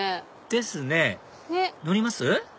ですね乗ります？